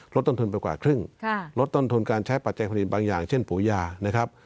ต้นทุนไปกว่าครึ่งลดต้นทุนการใช้ปัจจัยผลิตบางอย่างเช่นปูยานะครับ